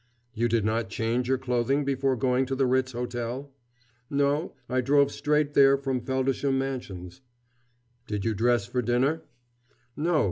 "You did not change your clothing before going to the Ritz Hotel?" "No. I drove straight there from Feldisham Mansions." "Did you dress for dinner?" "No.